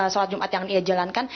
sholat jumat yang ia jalankan